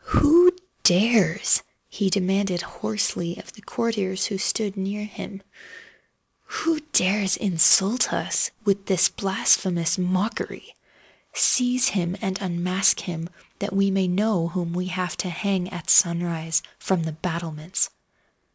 "Who dares,"—he demanded hoarsely of the courtiers who stood near him—"who dares insult us with this blasphemous mockery? Seize him and unmask him—that we may know whom we have to hang, at sunrise, from the battlements!"